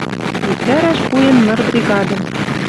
Виктӓрӓш пуэн ныр бригадым